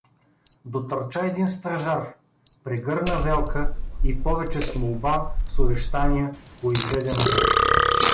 Дотърча един стражар, прегърна Велка и повече с молба, с увещания, го изведе назад.